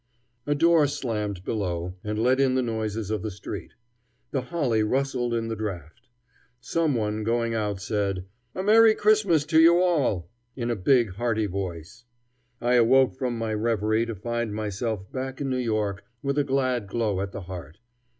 A door slammed below, and let in the noises of the street. The holly rustled in the draft. Some one going out said, "A Merry Christmas to you all!" in a big, hearty voice. I awoke from my reverie to find myself back in New York with a glad glow at the heart.